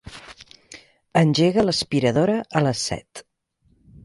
Engega l'aspiradora a les set.